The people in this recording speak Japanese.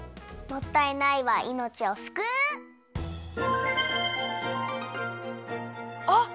「もったいない」はいのちをすくう！